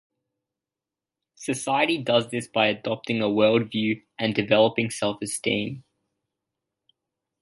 Society does this by adopting a worldview and developing self-esteem.